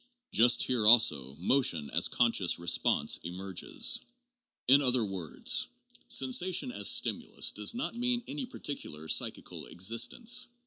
Just here also, motion as conscious response emerges. In other words, sensation as stimulus does not mean any par ticular psychical existence.